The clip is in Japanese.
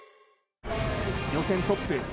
予選トップ。